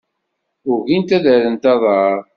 Ugint ad rrent aḍar.